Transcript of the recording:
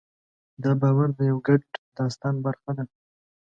دا باور د یوه ګډ داستان برخه ده.